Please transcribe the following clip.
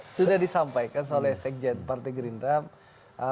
sudah disampaikan oleh sekjen partai gerindra